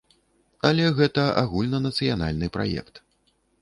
Але гэта агульнанацыянальны праект.